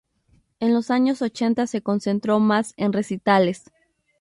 En los años ochenta, se concentró más en recitales.